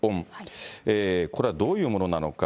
これはどういうものなのか。